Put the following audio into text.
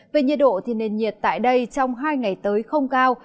về nhiệt độ thì nền nhiệt tại đây trong hai ngày tới không cao